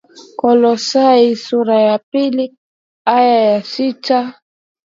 Kolosai sura ya pili aya ya sita